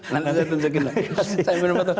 nanti saya tunjukin lagi